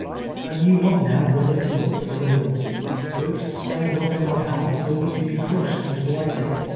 I knew not now whither to look for deliverance. Hopes sprang up in my heart only to be crushed and blighted.